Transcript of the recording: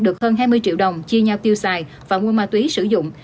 được hơn hai mươi triệu đồng chia nhau tiêu xài và mua ma túy sử dụng